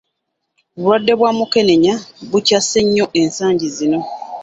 Obulwadde bwa Mukenenya bukyase nnyo ensangi zino.